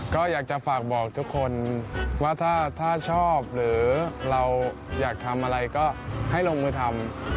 ก็อยากจะฝากบอกทุกคนว่าถ้าชอบหรือเราอยากทำอะไรก็ให้ลงมือทำ